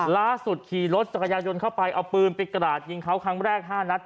ล่าสุดขี่รถจักรยานยนต์เข้าไปเอาปืนไปกราดยิงเขาครั้งแรก๕นัด